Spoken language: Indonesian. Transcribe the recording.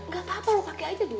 gak apa apa lo pake aja dulu